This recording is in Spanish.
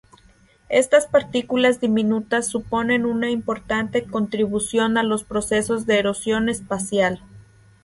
Estas partículas diminutas suponen una importante contribución a los procesos de erosión espacial.